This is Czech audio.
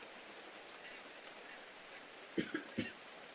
Krajinu pokrývá tundra.